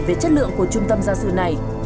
về chất lượng của trung tâm gia sư này